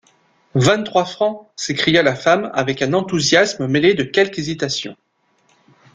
Vingt-trois francs! s’écria la femme avec un enthousiasme mêlé de quelque hésitation.